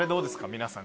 皆さん。